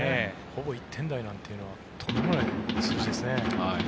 ほぼ１点台なんていうのはとんでもない数字ですね。